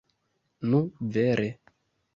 Nu, vere.